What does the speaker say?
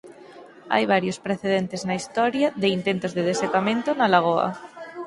Hai varios precedentes na historia de intentos de desecamento da Lagoa.